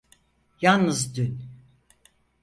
Yalnız dün.